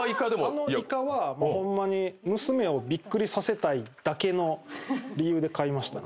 あのイカはホンマに娘をびっくりさせたいだけの理由で買いましたね。